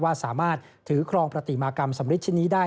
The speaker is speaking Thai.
ว่าสามารถถือครองประติมากรรมสำริดชิ้นนี้ได้